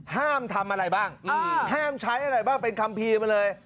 ห้ามทำอะไรบ้างห้ามใช้อะไรบ้างเป็นคัมภีร์มาเลย